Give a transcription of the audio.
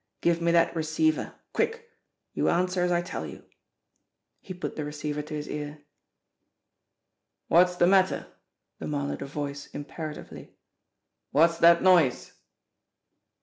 "Give me that receiver. Quick ! You answer as I tell you." He put the receiver to his ear. "What's the matter?" demanded a voice imperatively. "What's that noise?"